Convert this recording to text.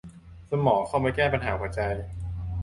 สมองเข้าไปแก้ปัญหาหัวใจ